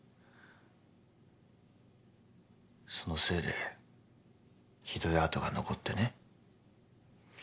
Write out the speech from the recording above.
そのせいでひどい痕が残ってね。